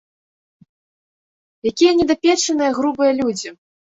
Якія недапечаныя, грубыя людзі.